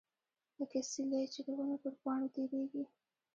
لکه سیلۍ چې د ونو پر پاڼو تیریږي.